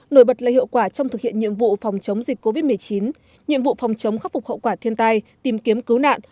nổi bật là hiệu quả trong thực hiện nhiệm vụ phòng chống dịch covid một mươi chín nhiệm vụ phòng chống khắc phục hậu quả thiên tai tìm kiếm cứu nạn